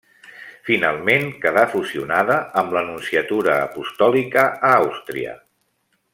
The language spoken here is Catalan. Finalment quedà fusionada amb la Nunciatura Apostòlica a Àustria.